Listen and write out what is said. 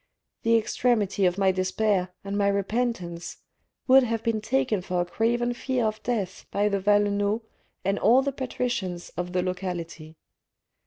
The extremity of my despair and my repentance would have been taken for a craven fear of death by the Valenods and all the patricians of the locality.